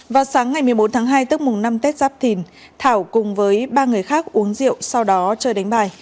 vào sáng ngày một mươi bốn tháng hai tức mùng năm tết giáp thìn thảo cùng với ba người khác uống rượu sau đó chơi đánh bài